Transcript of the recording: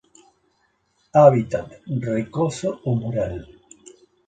Hábitat rocoso o mural.